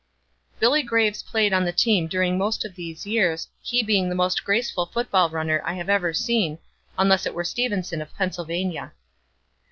"Billy Graves played on the team during most of these years, he being the most graceful football runner I have ever seen, unless it were Stevenson of Pennsylvania.